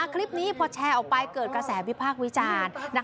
คลิปนี้พอแชร์ออกไปเกิดกระแสวิพากษ์วิจารณ์